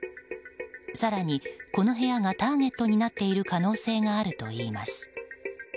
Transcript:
更に、この部屋がターゲットになっている可能性があるといいます。